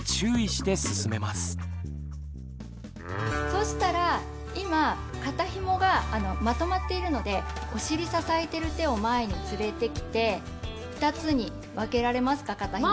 そしたら今肩ひもがまとまっているのでお尻支えてる手を前に連れてきて２つに分けられますか肩ひも。